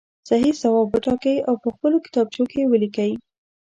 صحیح ځواب وټاکئ او په خپلو کتابچو کې یې ولیکئ.